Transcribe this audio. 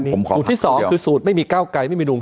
สูตรที่สองคือสูตรไม่มีเก้าไกยไม่มีลุง